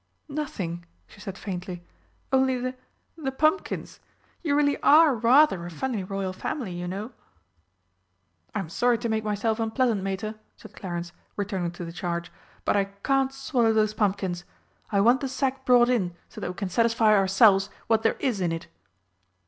"Nothing," she said faintly. "Only the the pumpkins. You really are rather a funny Royal Family, you know!" "I'm sorry to make myself unpleasant, Mater," said Clarence, returning to the charge. "But I can't swallow those pumpkins. I want the sack brought in so that we can satisfy ourselves what there is in it."